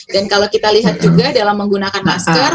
dan kalau kita lihat juga dalam menggunakan masker